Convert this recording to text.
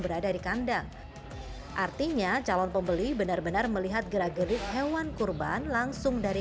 berada di kandang artinya calon pembeli benar benar melihat gerak gerik hewan kurban langsung dari